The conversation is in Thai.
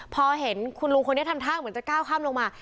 พอเห็นคุณลุงคนนี้ทำท่าเหมือนจะก้าวข้ามลงมา